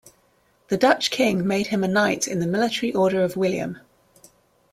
The Dutch King made him a Knight in the Military Order of William.